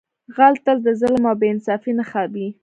غل تل د ظلم او بې انصافۍ نښه وي